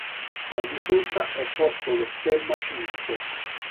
Al di sopra è posto lo stemma civico.